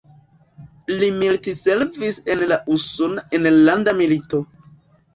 Li militservis en la Usona Enlanda Milito.